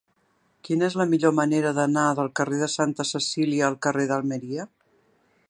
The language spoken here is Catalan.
Quina és la millor manera d'anar del carrer de Santa Cecília al carrer d'Almeria?